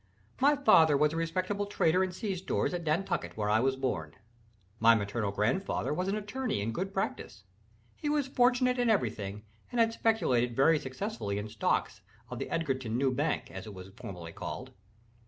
My father was a respectable trader in sea stores at Nantucket, where I was born. My maternal grandfather was an attorney in good practice. He was fortunate in every thing, and had speculated very successfully in stocks of the Edgarton New Bank, as it was formerly called.